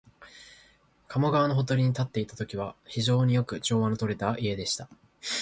加茂川のほとりに建っていたときは、非常によく調和のとれた家でした